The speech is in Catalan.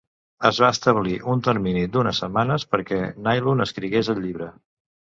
Es va establir un termini d'una setmanes perquè Nylund escrigués el llibre.